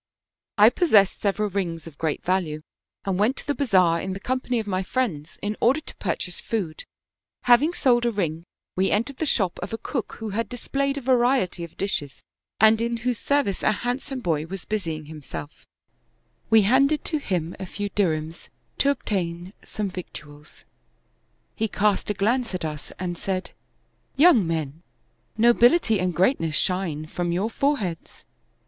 " I possessed several rings of great value, and went to the bazaar in the company of my friends in order to pur chase food; having sold a ring, we entered the shop of a 175 Orienitd Mystery Stories cook who had displayed a variety of dishes, and in whose service a handsome boy was busying himself; we handed to him a few dirhams to obtain some victuals. He cast a glance at us and said: "* Young men, nobility and greatness shine from your foreheads.